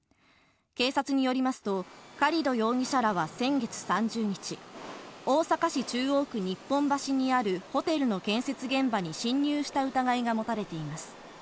警察によりますと、カリド容疑者らは先月３０日、大阪市中央区日本橋にあるホテルの建設現場に侵入した疑いが持たれています。